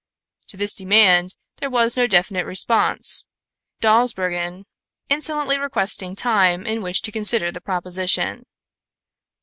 To this demand there was no definite response, Dawsbergen insolently requesting time in which to consider the proposition.